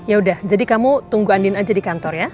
yaudah jadi kamu tunggu andien aja di kantor ya